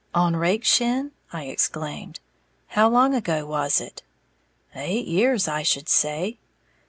"On Rakeshin!" I exclaimed. "How long ago was it?" "Eight years, I should say."